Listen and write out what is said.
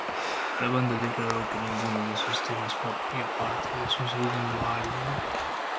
La banda declaró que ninguno de esos temas formaría parte de su segundo álbum.